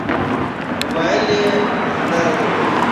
په مبایل یې په خندا راته وویل.